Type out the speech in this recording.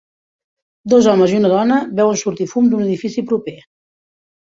Dos homes i una dona veuen sortir fum d'un edifici proper.